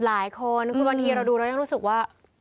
หลายคนคือบางทีเราดูเรายังรู้สึกว่า